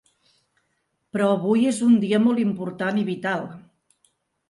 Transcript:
Però avui és un dia molt important i vital.